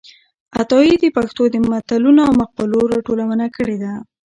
عطايي د پښتو د متلونو او مقالو راټولونه کړې ده.